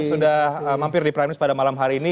sudah mampir di prime news pada malam hari ini